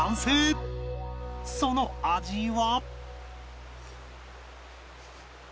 その味は